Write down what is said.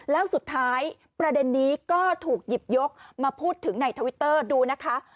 แล้วสุดท้ายประเด็นนี้ก็ถูกหยิบยกมาพูดถึงในทวิตเตอร์ดูนะคะ